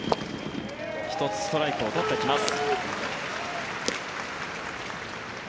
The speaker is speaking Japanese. １つ、ストライクを取ってきます。